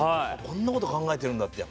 こんなこと考えてるんだって。